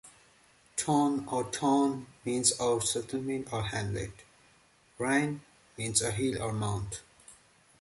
"Tun" or "ton" means a settlement or hamlet, "rhyn" means a hill or mount.